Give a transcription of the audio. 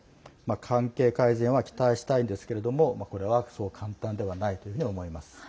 関係改善は期待したいんですがこれは、そう簡単ではないというふうに思います。